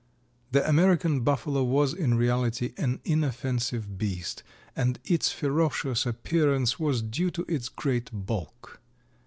The American Buffalo was in reality an inoffensive beast and its ferocious appearance was due to its great bulk.